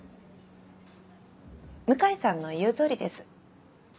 向井さんの言う通りです。